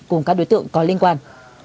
cùng các đối tượng có liên quan